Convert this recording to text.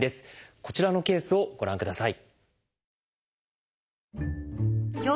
こちらのケースをご覧ください。